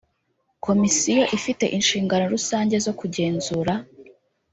komisiyo ifite inshingano rusange zokugenzura.